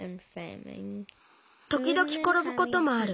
ときどきころぶこともある。